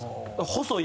細い？